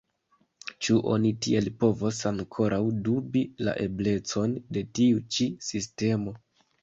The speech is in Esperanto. Ĉu oni tiel povos ankoraŭ dubi la eblecon de tiu ĉi sistemo?